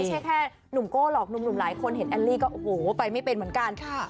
แค่หนุ่มโก้หรอกหนุ่มหลายคนเห็นแอลลี่ก็โอ้โหไปไม่เป็นเหมือนกัน